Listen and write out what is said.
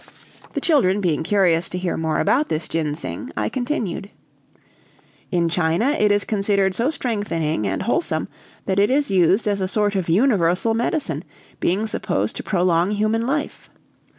The children being curious to hear more about this ginseng, I continued: "In China it is considered so strengthening and wholesome that it is used as a sort of universal medicine, being supposed to prolong human life.